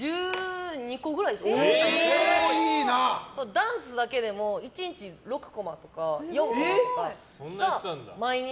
ダンスだけで１日６コマとか４コマとか毎日。